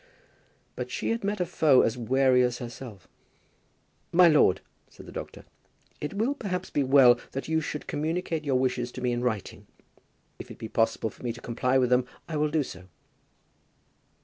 But she had met a foe as wary as herself. "My lord," said the doctor, "it will perhaps be well that you should communicate your wishes to me in writing. If it be possible for me to comply with them I will do so."